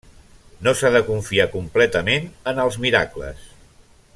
No s'ha de confiar completament en els miracles.